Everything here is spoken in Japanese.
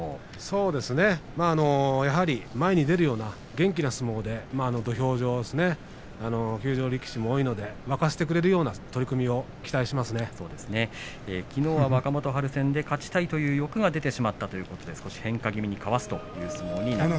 前に出るような元気な相撲で土俵上休場力士も多いので沸かしてくれるような取組をきのうは、若元春戦で勝ちたいという欲が出てしまったと話しています。